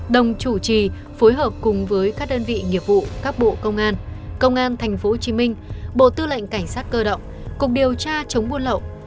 đồng chủ trì phối hợp cùng với các đơn vị nghiệp vụ các bộ công an công an tp hcm bộ tư lệnh cảnh sát cơ động cục điều tra chống buôn lậu